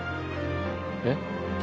えっ？